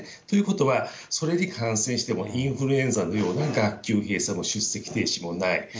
ということは、それに感染しても、インフルエンザのような学級閉鎖も出席停止もない。